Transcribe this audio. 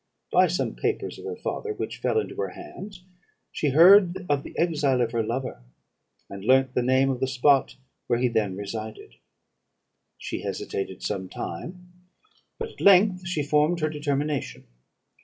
By some papers of her father, which fell into her hands, she heard of the exile of her lover, and learnt the name of the spot where he then resided. She hesitated some time, but at length she formed her determination.